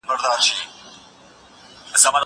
کېدای سي د کتابتون د کار مرسته ستونزي ولري!